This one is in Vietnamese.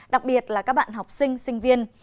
đặc biệt là các bạn học sinh sinh viên